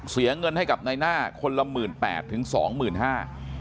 เสียเงินให้กับนายหน้าคนละหมื่นแปดถึงสองหมื่นห้า